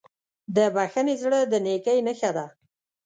د بښنې زړه د نیکۍ نښه ده.